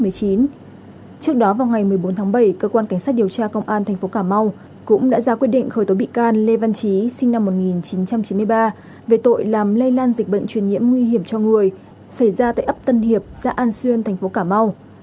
trước đó vào ngày một mươi bốn tháng bảy cơ quan cảnh sát điều tra công an tp cà mau cũng đã ra quyết định khởi tố bị can lê văn trí sinh năm một nghìn chín trăm chín mươi ba về tội làm lây lan dịch bệnh truyền nhiễm nguy hiểm cho người xảy ra tại ấp tân hiệp xã an xuyên thành phố cà mau